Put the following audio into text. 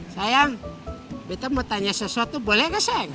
sayang beta mau tanya sesuatu boleh gak sayang